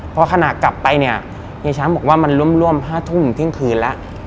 พอขณะกลับไปเนี่ยเฮียช้างบอกว่ามันร่วม๕ทุ่มเที่ยงคืนแล้ว